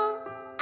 「あ！」